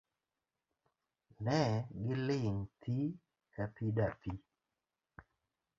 Ne giling' thii kapi dapi.